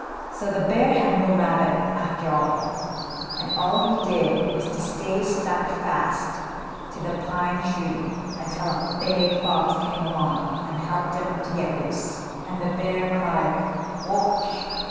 So the bear had no rabbit, after all, and all he did was to stay stuck fast to the pine tree until a big fox came along and helped him to get loose, and the bear cried "Wouch!"